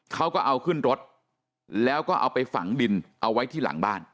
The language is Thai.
เขาก็เอาขึ้นรถแล้วก็เอาไปฝังดินเอาไว้ที่หลังบ้าน